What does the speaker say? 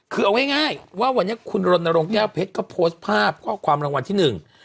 คือเอาง่ายง่ายว่าวันนี้คุณรณรงค์แก้วเพชรก็โพสต์ภาพข้อความรางวัลที่หนึ่ง